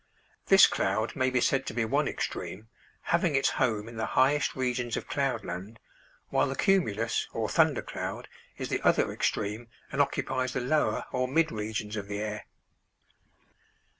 This cloud may be said to be one extreme, having its home in the highest regions of cloud land, while the cumulus, or thunder cloud, is the other extreme and occupies the lower or mid regions of the air.